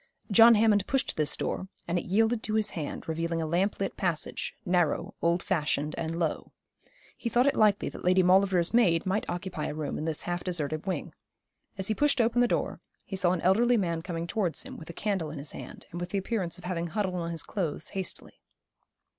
John Hammond pushed this door, and it yielded to his hand, revealing a lamp lit passage, narrow, old fashioned, and low. He thought it likely that Lady Maulevrier's maid might occupy a room in this half deserted wing. As he pushed open the door he saw an elderly man coming towards him, with a candle in his hand, and with the appearance of having huddled on his clothes hastily.